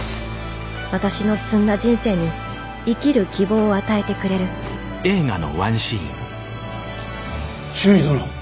私の詰んだ人生に生きる希望を与えてくれる中尉殿！